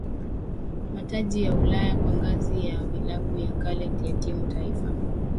Mataji ya Ulaya kwa ngazi ya vilabu na yale ya timu za taifa